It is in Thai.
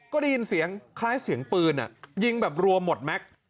ก็ได้ยินเสียงคล้ายเสียงปืนยิงแบบรวมหมดแม็กซ์